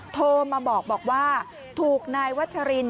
โทรมาบอกว่าถูกนายวัชริน